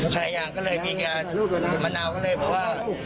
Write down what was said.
ใครอย่างก็เลยมีแก่มะนาวก็เลยบอกว่า